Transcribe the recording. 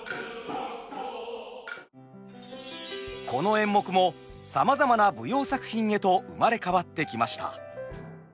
この演目もさまざまな舞踊作品へと生まれ変わってきました。